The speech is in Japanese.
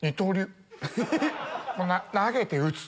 投げて打つ！